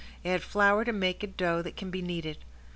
Add flour to make a dough that can be kneaded.